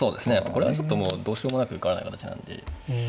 これはちょっともうどうしようもなく受からない形なんで。